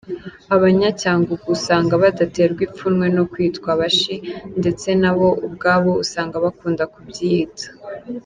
Abanyacyangugu usanga badaterwa ipfunwe no kwitwa abashi, ndetse nabo ubwabo usanga bakunda kubyiyita.